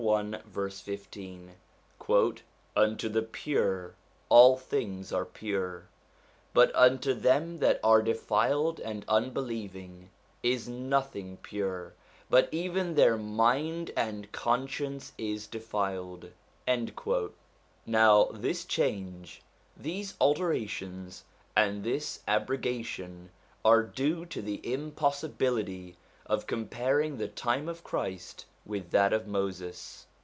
1 verse 15 :' Unto the pure all things are pure : but unto them that are defiled and unbelieving is nothing pure ; but even their mind and conscience is defiled.' Now this change, these alterations, and this abroga tion are due to the impossibility of comparing the time of Christ with that of Moses.